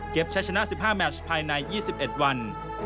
เก็บใช้ชนะสิบห้าแมทช์ภายในยี่สิบเอ็ดวัน